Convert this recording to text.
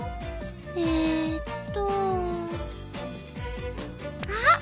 えっとあっ！